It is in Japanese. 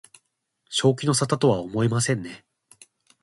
正気の沙汰とは思えませんね